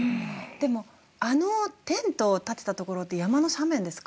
でもあのテントをたてた所って山の斜面ですか？